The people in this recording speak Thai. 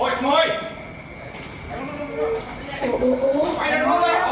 ขโมยขโมย